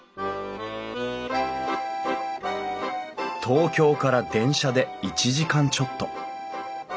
東京から電車で１時間ちょっと。